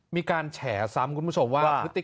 มีการแฉส้มคุณผู้ชมว่า